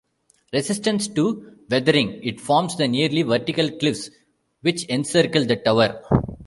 Resistant to weathering, it forms the nearly vertical cliffs which encircle the Tower.